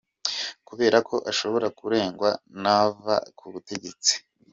Kubera ko ashobora kuregwa nava ku butegetsi.